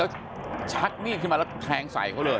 แล้วชักมีดขึ้นมาแล้วแทงใส่เขาเลย